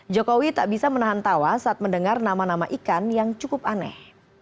jokowi tak bisa menahan tawa saat mendengar nama nama ikan yang cukup aneh